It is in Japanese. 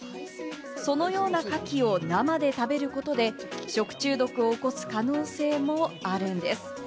そのようなカキを生で食べることで食中毒を起こす可能性もあるんです。